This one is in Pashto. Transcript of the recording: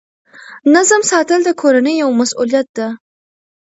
نظم ساتل د کورنۍ یوه مسؤلیت ده.